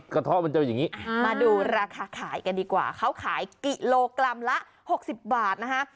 กระทะมันจะเป็นอย่างนี้มาดูราคาขายกันดีกว่าเขาขายกิโลกรัมละ๖๐บาทนะคะ